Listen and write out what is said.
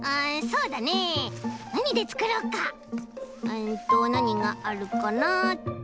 うんとなにがあるかなっと。